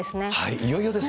いよいよですね。